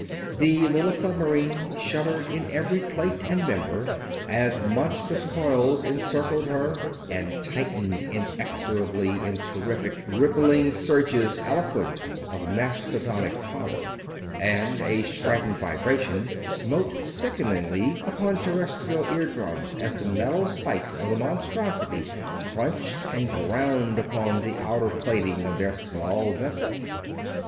The little submarine shuddered in every plate and member as monstrous coils encircled her and tightened inexorably in terrific, rippling surges eloquent of mastodonic power; and a strident vibration smote sickeningly upon Terrestrial ear drums as the metal spikes of the monstrosity crunched and ground upon the outer plating of their small vessel.